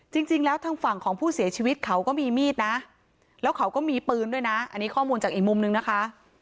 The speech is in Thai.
จริงแล้วทางฝั่งของผู้เสียชีวิตเขาก็มีมีดนะแล้วเขาก็มีปืนด้วยนะอันนี้ข้อมูลจากอีกมุมนึงนะคะ